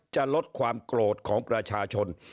จะลดความโกรธของประชาชน